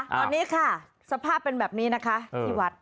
ตอนนี้ค่ะสภาพเป็นแบบนี้นะคะที่วัด